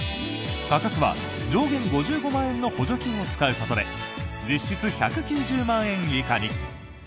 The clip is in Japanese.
価格は上限５５万円の補助金を使うことで実質１９０万円以下に。